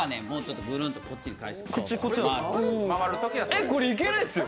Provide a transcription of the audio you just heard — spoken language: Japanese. えっ、いけないですよ！